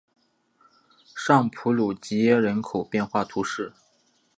尚普鲁吉耶人口变化图示